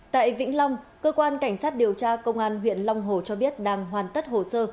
tại vĩnh long cơ quan cảnh sát điều tra công an huyện long hồ cho biết đang hoàn tất hồ sơ